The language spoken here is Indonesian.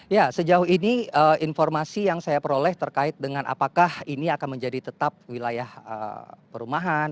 ya sejauh ini informasi yang saya peroleh terkait dengan apakah ini akan menjadi tetap wilayah perumahan